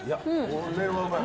これはうまい。